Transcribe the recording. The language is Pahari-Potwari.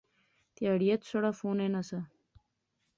تہاڑیا تسیں ناں فون ایناں سا